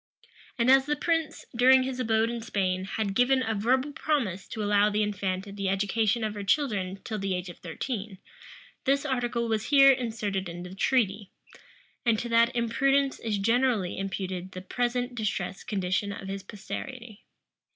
And as the prince, during his abode in Spain, had given a verbal promise to allow the infanta the education of her children till the age of thirteen, this article was here inserted in the treaty; and to that imprudence is generally imputed the present distressed condition of his posterity.